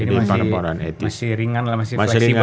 jadi masih ringan lah